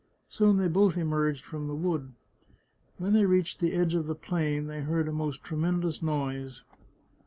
Soon they both emerged from the wood. When they reached the edge of the plain they heard a most tremendous noise.